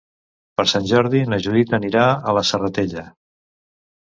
Per Sant Jordi na Judit anirà a la Serratella.